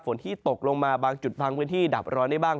ที่ตกลงมาบางจุดบางพื้นที่ดับร้อนได้บ้าง